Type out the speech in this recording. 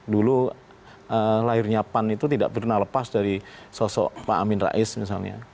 dulu lahirnya pan itu tidak pernah lepas dari sosok pak amin rais misalnya